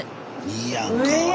いいやんか。